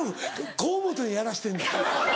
河本にやらしてんねん。